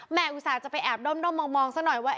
แม่อุตสาหรัฐจะไปแอบโดมโดมมองมองซักหน่อยว่า